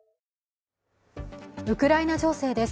ウクライナ情勢です。